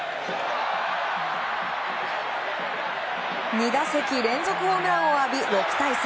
２打席連続ホームランを浴び６対３。